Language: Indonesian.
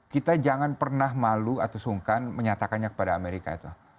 kita jangan pernah malu atau sungkan menyatakannya kepada amerika itu